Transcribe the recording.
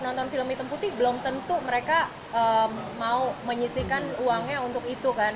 nonton film hitam putih belum tentu mereka mau menyisikan uangnya untuk itu kan